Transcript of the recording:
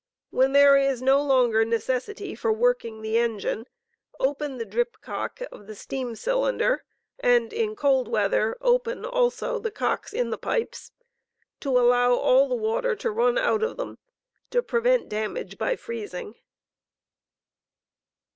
When there is no longer necessity for working the engine, open the drip cock string of the steam cyhnder (and in cold weather open also the cocks in the pipes) to allow 8 *"" all the water to run out of them to prevent damage by freezing.